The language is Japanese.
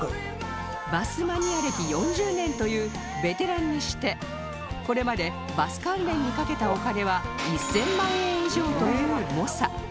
バスマニア歴４０年というベテランにしてこれまでバス関連にかけたお金は１０００万円以上という猛者